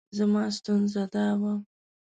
زما ستونزه دا وه.